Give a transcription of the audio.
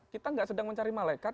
kita tidak sedang mencari malaikat